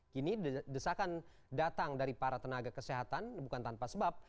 kini desakan datang dari para tenaga kesehatan bukan tanpa sebab